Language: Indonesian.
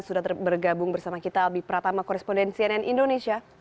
sudah bergabung bersama kita albi pratama korrespondensi nn indonesia